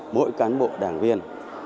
mỗi cán bộ đảng viên